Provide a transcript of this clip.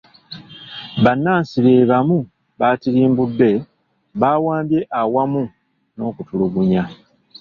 Bannansi be bamu batirimbudde, bawambye awamu n'okutulugunya